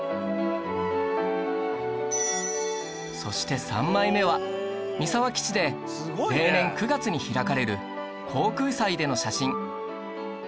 そして３枚目は三沢基地で例年９月に開かれる航空祭での写真